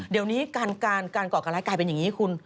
เดี๋ยวนี้การก่อการร้ายกลายเป็นอย่างนี้คุณ